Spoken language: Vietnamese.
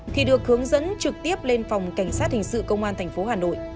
thì được hướng dẫn trực tiếp lên phòng cảnh sát hình sự công an thành phố hà nội